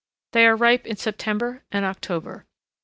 They are ripe in September and October.